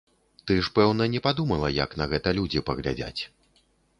Ты ж, пэўна, не падумала, як на гэта людзі паглядзяць.